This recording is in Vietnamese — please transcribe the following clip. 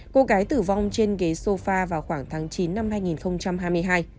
cô gái tử vong trên ghế sofa vào khoảng tháng chín năm hai nghìn hai mươi hai